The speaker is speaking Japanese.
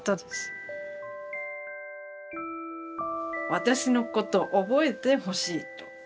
私のこと覚えてほしいと。